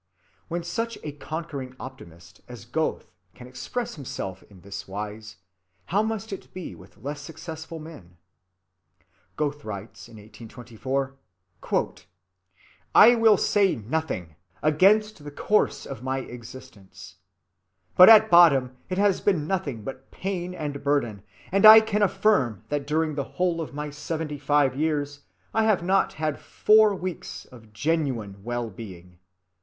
When such a conquering optimist as Goethe can express himself in this wise, how must it be with less successful men? "I will say nothing," writes Goethe in 1824, "against the course of my existence. But at bottom it has been nothing but pain and burden, and I can affirm that during the whole of my 75 years, I have not had four weeks of genuine well‐being.